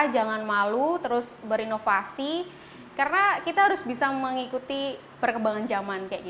jangan malu terus berinovasi karena kita harus bisa mengikuti perkembangan zaman